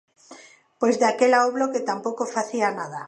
Pois daquela o Bloque tampouco facía nada.